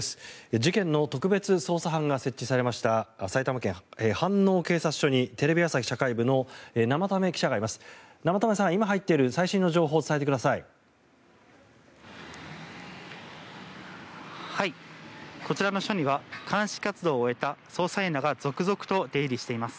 事件の特別捜査班が設置されました埼玉県・飯能警察署にテレビ朝日社会部の生田目記者がいます。